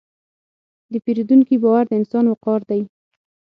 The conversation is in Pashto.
د پیرودونکي باور د انسان وقار دی.